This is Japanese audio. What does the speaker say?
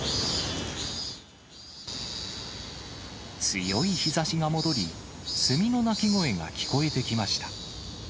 強い日ざしが戻り、セミの鳴き声が聞こえてきました。